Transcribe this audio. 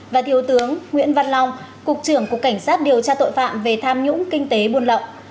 và thiếu tướng nguyễn văn long cục trưởng cục cảnh sát điều tra tội phạm về tham nhũng kinh tế buôn lậu